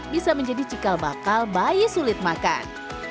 bisa menjadi cikal bakal bayi sulit makan